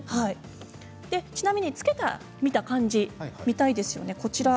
ちなみに付けて見た感じ見たいですよね。